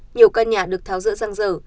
nhiều căn nhà được tháo dỡ giang dở